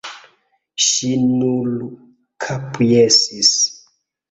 Ŝi nur kapjesis.